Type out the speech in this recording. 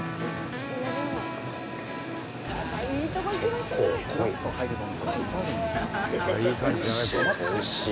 結構濃い。